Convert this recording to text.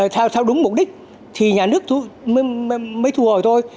theo đúng mục đích thì nhà nước mới thu hồi thôi